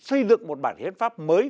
xây lược một bản hiến pháp mới